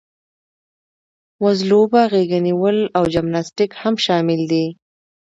وزلوبه، غېږه نیول او جمناسټیک هم شامل دي.